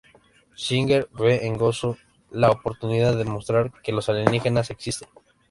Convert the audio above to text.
Singer ve en Gonzo la oportunidad de demostrar que los alienígenas existen.